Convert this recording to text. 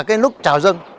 cái lúc chào dân